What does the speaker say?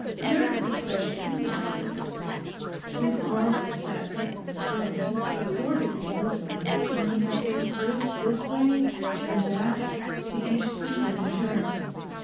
Nerves, especially, Lawford.' Mrs Lawford sat perfectly still, absorbedly listening, turning her face first this way, then that, to each speaker in turn.